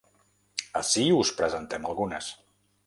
Ací us en presentem algunes.